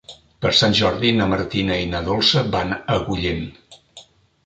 Per Sant Jordi na Martina i na Dolça van a Agullent.